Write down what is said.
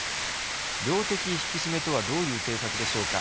量的引き締めとはどういう政策でしょうか。